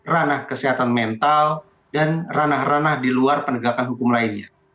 ranah kesehatan mental dan ranah ranah di luar penegakan hukum lainnya